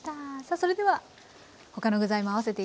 それでは他の具材も合わせていきます。